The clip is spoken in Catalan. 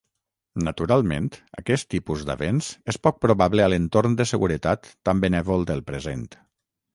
Naturalment, aquest tipus d"avenç és poc probable a l"entorn de seguretat tan benèvol del present.